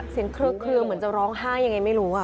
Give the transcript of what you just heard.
เสียงเคลือเหมือนจะร้องห้ายยังไงไม่รู้อ่ะ